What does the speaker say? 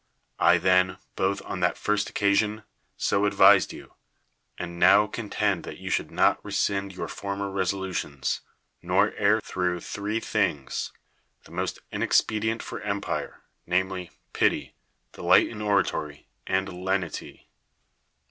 I, then, both on that first occasion [so advised you], and now contend that you should not rescind your for mer resolutions, nor err through three things, the most inexpedient for emj)ire, namely, pity, delight in oratorj^ and lenity.